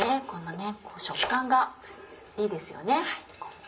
この食感がいいですよね。